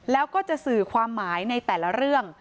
แล้วก็จะสื่อความหมายในแต่ละเรื่อง